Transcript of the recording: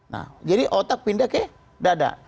nah jadi otak pindah ke dada